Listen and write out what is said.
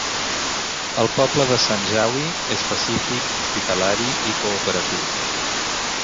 El poble de Sanjawi és pacífic, hospitalari i cooperatiu.